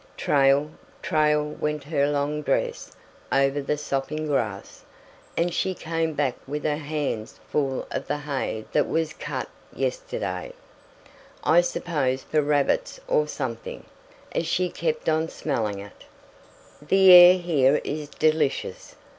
Trail, trail, went her long dress over the sopping grass, and she came back with her hands full of the hay that was cut yesterday I suppose for rabbits or something, as she kept on smelling it. The air here is delicious.